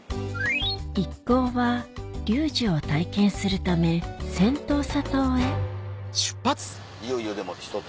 一行はリュージュを体験するためセントーサ島へいよいよでも１つ。